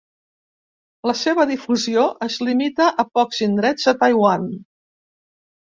La seva difusió es limita a pocs indrets de Taiwan.